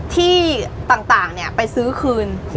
ที่ต่างเนี่ยไปซื้อคืน